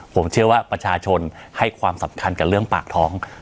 ผมเชื่อว่าประชาชนให้ความสำคัญกับเรื่องปากท้อง